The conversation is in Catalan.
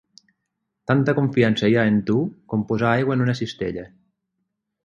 Tanta confiança hi ha en tu, com posar aigua en una cistella.